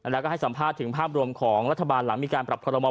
และให้สัมภาษณ์ถึงภาพรวมของรัฐบาลลำมีการปรับเคราะห์